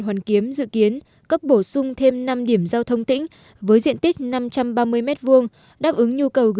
hoàn kiếm dự kiến cấp bổ sung thêm năm điểm giao thông tỉnh với diện tích năm trăm ba mươi m hai đáp ứng nhu cầu ghi